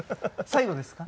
最後ですか？